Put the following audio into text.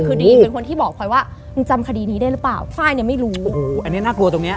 คุณฟ่ายเข